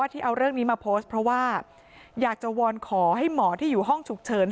ที่เอาเรื่องนี้มาโพสต์เพราะว่าอยากจะวอนขอให้หมอที่อยู่ห้องฉุกเฉิน